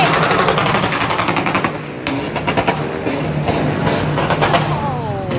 โอ้ว